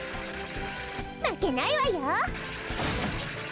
まけないわよ！